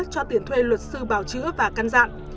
cho tiền thuê luật sư bào chữa và căn dặn